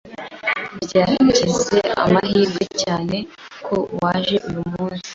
Byagize amahirwe cyane ko waje uyu munsi.